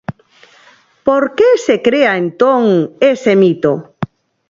Por que se crea entón ese mito?